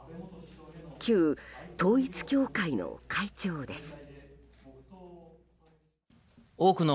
旧統一教会の会長です。